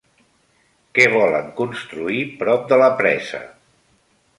Què volen construir prop de la presa?